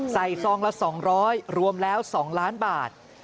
ใส่ซองละ๒๐๐บาทรวมแล้ว๒ล้านบาท